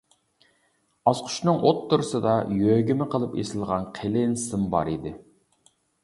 ئاسقۇچنىڭ ئوتتۇرىسىدا يۆگىمە قىلىپ ئېسىلغان قېلىن سىم بار ئىدى.